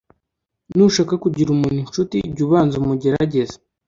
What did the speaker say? nushaka kugira umuntu incuti, jya ubanza umugerageze